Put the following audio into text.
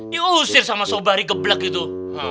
diusir sama sobari geblek gitu